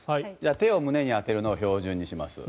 手を胸に当てるのを標準にします。